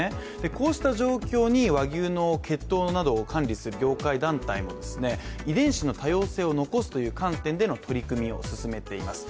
こうした状況に和牛の血統などを管理する業界団体も遺伝子の多様性を残すという観点での取り組みを進めています。